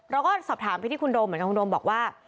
เราก็สอบถามไปที่คุณโดมเหมือนกันคุณโดมบอกว่า